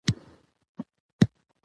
د خلکو غږ بدلون راولي